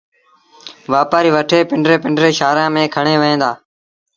وآپآريٚ وٺي پنڊري پنڊري شآهرآݩ ميݩ کڻي وهيݩ دآ